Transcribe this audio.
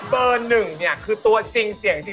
เบอร์หนึ่งเนี่ยคือตัวจริงเสียงจริง